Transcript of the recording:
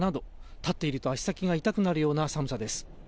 立っていると足先が痛くなるような寒さです。